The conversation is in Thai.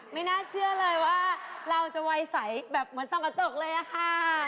ไม่น่าเชื่อเลยว่าเราจะวัยใสแบบเหมือนส่องกระจกเลยอะค่ะ